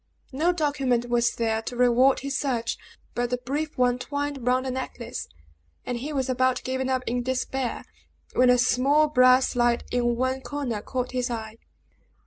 No document was there to reward his search, but the brief one twined round the necklace; and he was about giving up in despair, when a small brass slide in one corner caught his eye.